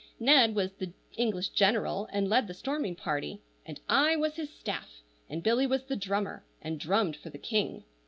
Ned was the English general, and led the storming party, and I was his staff, and Billy was the drummer, and drummed for the king.